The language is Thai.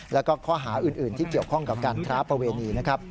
แล้วก็ข้อหาอื่นที่เกี่ยวข้องกับการค้าประเวณีนะครับ